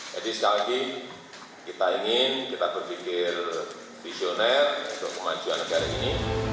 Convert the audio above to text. jadi sekali lagi kita ingin kita berpikir visioner untuk kemajuan negara ini